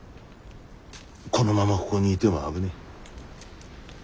このままここにいても危ねえ。